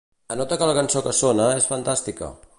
Anota que la cançó que sona és fantàstica.